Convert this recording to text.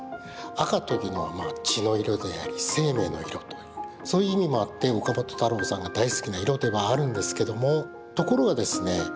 赤というのは血の色であり生命の色というそういう意味もあって岡本太郎さんが大好きな色ではあるんですけどもところがですね